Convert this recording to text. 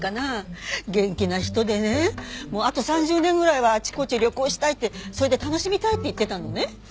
元気な人でねあと３０年ぐらいはあちこち旅行したいってそれで楽しみたいって言ってたのね。